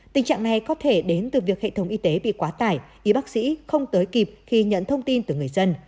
tình trạng này có thể đến từ việc hệ thống y tế bị quá tải y bác sĩ không tới kịp khi nhận thông tin từ người dân